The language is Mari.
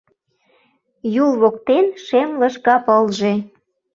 Юл воктен шем лыжга пылже -